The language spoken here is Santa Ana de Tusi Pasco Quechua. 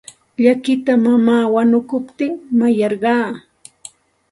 Llakita mamaa wanukuptin mayarqaa.